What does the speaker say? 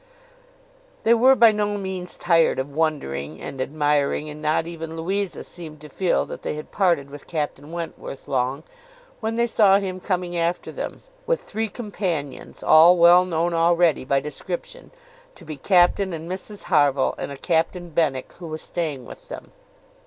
They were by no means tired of wondering and admiring; and not even Louisa seemed to feel that they had parted with Captain Wentworth long, when they saw him coming after them, with three companions, all well known already, by description, to be Captain and Mrs Harville, and a Captain Benwick, who was staying with them.